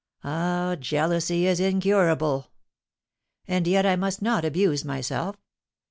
Ah, jealousy is incurable! And yet I must not abuse myself.